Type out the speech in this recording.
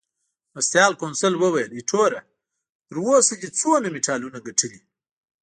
مرستیال کونسل وویل: ایټوره، تر اوسه دې څومره مډالونه ګټلي؟